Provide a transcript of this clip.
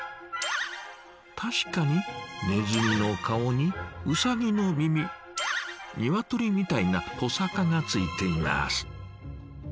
確かにネズミの顔にウサギの耳鶏みたいなトサカがついています。